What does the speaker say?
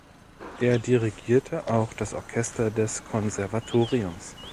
Er dirigierte auch das Orchester des Konservatoriums.